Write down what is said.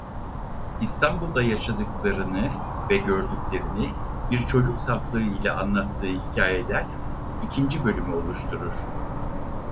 İstanbul'da yaşadıklarını ve gördüklerini bir çocuk saflığı ile anlattığı hikâyeler ikinci bölümü oluşturur.